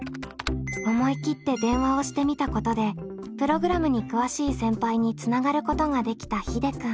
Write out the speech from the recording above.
思い切って電話をしてみたことでプログラムに詳しい先輩につながることができたひでくん。